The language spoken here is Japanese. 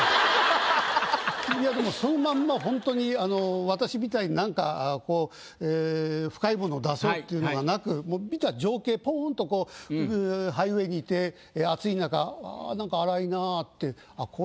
でもそのまんまほんとに私みたいになんかこう深いものを出そうっていうのがなくもう見た情景ポンとこうハイウエーにいて暑い中ああなんか粗いなぁって。